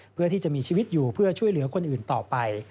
เพื่อที่จะมีชีวิตอยู่เพื่อช่วยเหลือคนอื่นต่อไป